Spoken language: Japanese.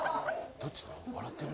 どっちだ？